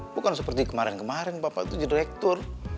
bukan seperti kemarin kemarin papa tuh jadi rektur